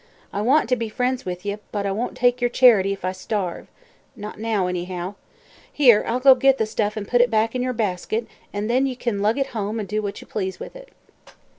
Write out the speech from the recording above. I want to be friends with ye, but I won't take your charity if I starve. Not now, anyhow. Here; I'll go git the stuff an' put it back in yer basket, an' then ye kin lug it home an' do what ye please with it."